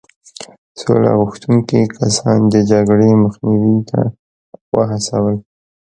سوله غوښتونکي کسان د جګړې مخنیوي ته وهڅول.